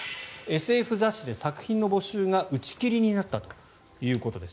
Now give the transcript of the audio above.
ＳＦ雑誌で作品の募集が打ち切りになったということです。